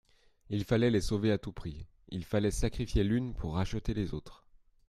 Il fallait les sauver à tout prix ; il fallait sacrifier l'une pour racheter les autres.